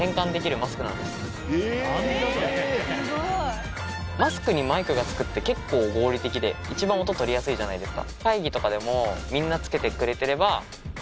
マスクにマイクが付くって結構合理的で一番音取りやすいじゃないですか。